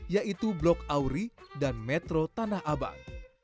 yaitu blok auri dan metro tanah abang